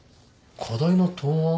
課題の答案？